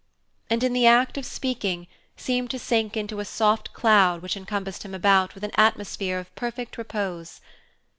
And in the act of speaking, seemed to sink into a soft cloud which encompassed him about with an atmosphere of perfect repose.